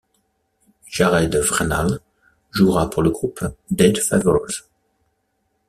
Jared Wrenall jouera pour le groupe Dead Favours.